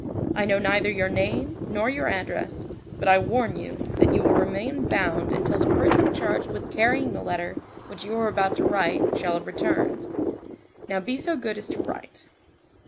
I know neither your name, nor your address, but I warn you, that you will remain bound until the person charged with carrying the letter which you are about to write shall have returned. Now, be so good as to write."